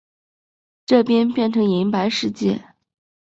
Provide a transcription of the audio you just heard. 这边变成银白世界